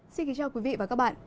xin kính chào quý vị và các bạn